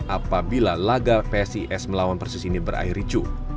apabila laga psis melawan persis ini berakhir ricu